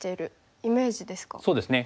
そうですね。